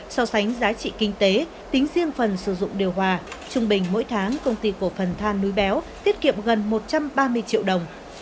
so sánh giá trị kinh tế tính riêng phần sử dụng điều hòa trung bình mỗi tháng công ty cổ phần than núi béo tiết kiệm gần một trăm ba mươi triệu đồng